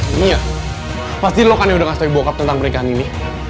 ini ya pasti lo kan yang udah ngasih bokap tentang pernikahan ini